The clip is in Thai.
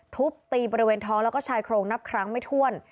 ทุบตีบริเวณท้องแล้วก็ชายโครงนับครั้งไม่ถ้วน